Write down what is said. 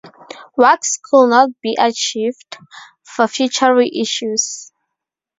Wax could not be archived for future reissues.